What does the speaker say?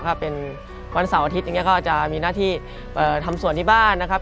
ถ้าเป็นวันเสาร์อาทิตย์อย่างนี้ก็จะมีหน้าที่ทำส่วนที่บ้านนะครับ